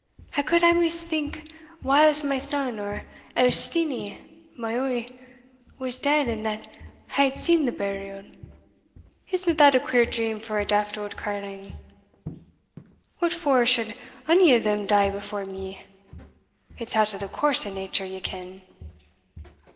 I could amaist think whiles my son, or else Steenie, my oe, was dead, and that I had seen the burial. Isna that a queer dream for a daft auld carline? What for should ony o' them dee before me? it's out o' the course o' nature, ye ken."